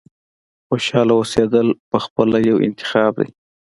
• خوشحاله اوسېدل پخپله یو انتخاب دی.